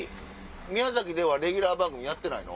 宮崎ではレギュラー番組やってないの？